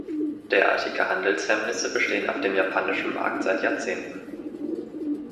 Derartige Handelshemmnisse bestehen auf dem japanischen Markt seit Jahrzehnten.